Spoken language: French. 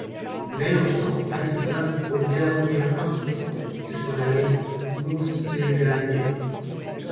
Melanchthon assista aux derniers instants de son ami Mosellanus.